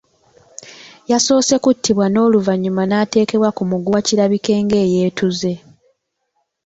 Yasoose kuttibwa n’oluvannyuma n’ateekebwa ku muguwa kirabike ng’eyeetuze.